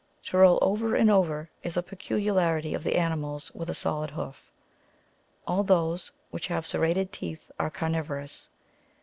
To roll over and over is a peculiarity of the animals with a solid hoof. All those which have serrated teeth are carnivorous.